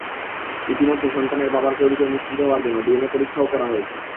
ইতিমধ্যে সন্তানের বাবার পরিচয় নিশ্চিত হওয়ার জন্য ডিএনএ পরীক্ষাও করা হয়েছে।